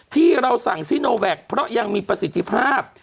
ที่เราสั่งซิโนแวคเพราะยังมีประสิทธิภาพ